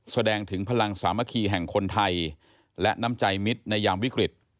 แสดงถึงพลังสามัคคีแห่งคนไทยและน้ำใจมิตรในยามวิกฤต